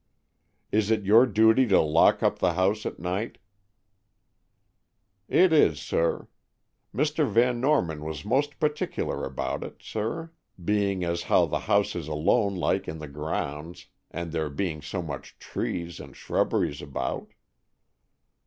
"Is it your duty to lock up the house at night?" "It is, sir. Mr. Van Norman was most particular about it, sir, being as how the house is alone like in the grounds, and there being so much trees and shrubberies about."